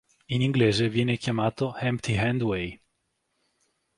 In inglese viene chiamato "empty-hand way".